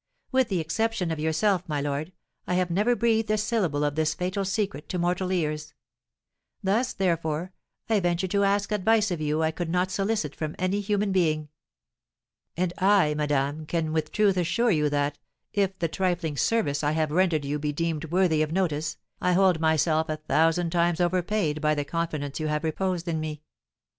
With the exception of yourself, my lord, I have never breathed a syllable of this fatal secret to mortal ears: thus, therefore, I venture to ask advice of you I could not solicit from any human being." "And I, madame, can with truth assure you that, if the trifling service I have rendered you be deemed worthy of notice, I hold myself a thousand times overpaid by the confidence you have reposed in me.